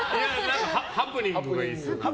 ハプニングがいいです。